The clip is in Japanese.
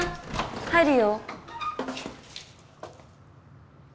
入るよ。